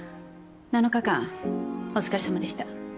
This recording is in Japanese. ７日間お疲れさまでした。